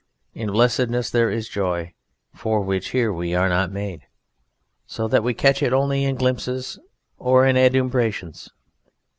In blessedness there is joy for which here we are not made, so that we catch it only in glimpses or in adumbrations.